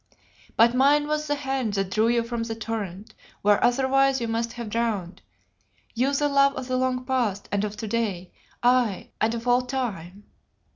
"But mine was the hand that drew you from the torrent, where otherwise you must have drowned, you the love of the long past and of to day, aye, and of all time.